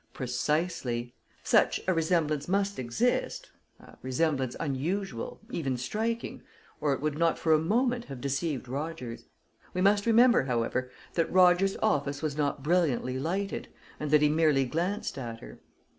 "Precisely. Such a resemblance must exist a resemblance unusual, even striking or it would not for a moment have deceived Rogers. We must remember, however, that Rogers's office was not brilliantly lighted, and that he merely glanced at her.